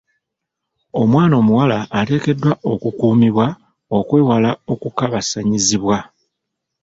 Omwana omuwala ateekeddwa okukuumibwa okwewala okukabasanyizibwa.